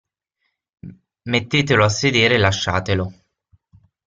"Mettetelo a sedere e lasciatelo.